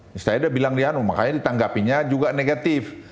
saya sudah bilang di anu makanya ditanggapinya juga negatif